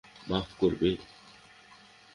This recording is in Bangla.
মাফ করবে?